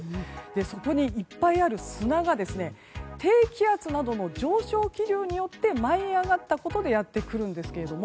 そこにいっぱいある砂が低気圧などの上昇気流によって舞い上がったことでやってくるんですが。